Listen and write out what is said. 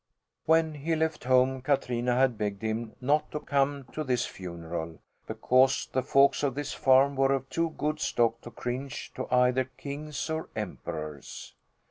When he left home Katrina had begged him not to come to this funeral, because the folks at this farm were of too good stock to cringe to either kings or emperors.